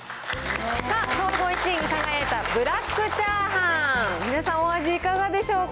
さあ、総合１位に輝いたブラックチャーハン、皆さん、お味いかがでしょうか。